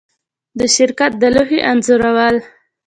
د شرکت د لوحې انځورول